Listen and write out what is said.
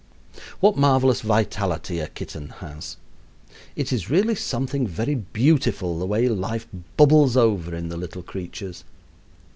What marvelous vitality a kitten has. It is really something very beautiful the way life bubbles over in the little creatures.